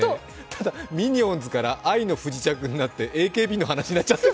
ただ、「ミニオンズ」から「愛の不時着」になってＡＫＢの話になっちゃって。